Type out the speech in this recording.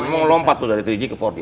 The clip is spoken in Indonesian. nah ini lompat dari tiga g ke empat g